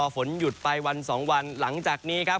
ฝนหยุดไปวัน๒วันหลังจากนี้ครับ